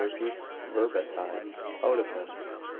repeats verbatim out of him.